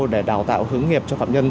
để đào tạo hướng nghiệp cho phạm nhân